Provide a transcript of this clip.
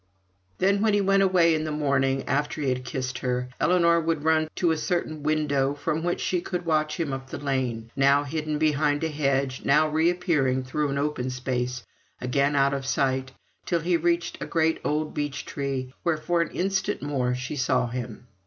Then, when he went away in the morning, after he had kissed her, Ellinor would run to a certain window from which she could watch him up the lane, now hidden behind a hedge, now reappearing through an open space, again out of sight, till he reached a great old beech tree, where for an instant more she saw him.